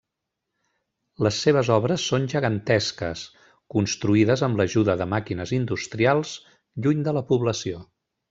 Les seves obres són gegantesques, construïdes amb l'ajuda de màquines industrials, lluny de la població.